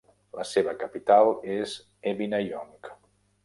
La seva capital és Evinayong.